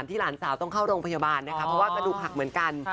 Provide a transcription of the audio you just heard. ที่ี่หลานสาวต้องเข้าโรงพยาบาลนะคะเกอกระดูกหักเกอนกัน